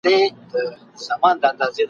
او شعري ارزښت به یې دونه کم وي !.